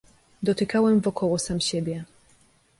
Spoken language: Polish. "Dotykałem wokoło sam siebie."